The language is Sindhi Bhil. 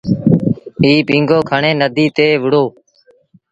ائيٚݩ پيٚنگو کڻي نديٚ تي وُهڙو۔